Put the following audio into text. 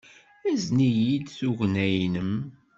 Azen-iyi-d tugna-nnem.